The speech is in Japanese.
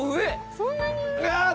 そんなに上？